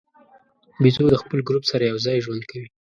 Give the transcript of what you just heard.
بیزو د خپل ګروپ سره یو ځای ژوند کوي.